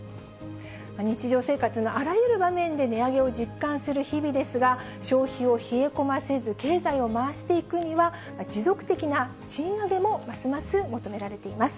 日常生活のあらゆる場面で値上げを実感する日々ですが、消費を冷え込ませず、経済を回していくには、持続的な賃上げもますます求められています。